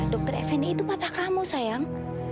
dokter fni itu bapak kamu sayang